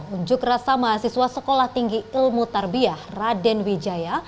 unjuk rasa mahasiswa sekolah tinggi ilmu tarbiah raden wijaya